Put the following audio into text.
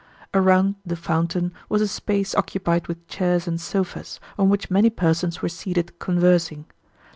Around the fountain was a space occupied with chairs and sofas, on which many persons were seated conversing.